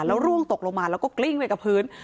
แล้วร่วงตกลงมาแล้วก็กลิ้งไปกับพื้น